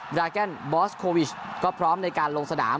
ราแกนบอสโควิชก็พร้อมในการลงสนาม